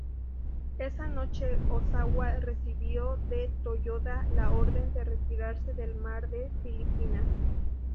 Esa noche, Ozawa recibió de Toyoda la orden de retirarse del mar de Filipinas.